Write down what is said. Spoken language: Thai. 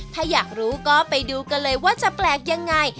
ถ้าอยากรู้ก็ไปดูกันเลยว่าจะแปลกยังไง